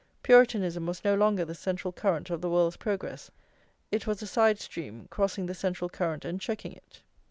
Puritanism was no longer the central current of the world's progress, it was a side stream crossing the central current and checking it.